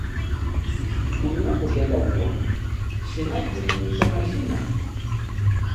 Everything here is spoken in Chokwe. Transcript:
Kuya nyi kuhela uwa, shina kulinyika majina.